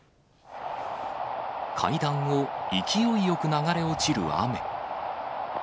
階段を勢いよく流れ落ちる雨。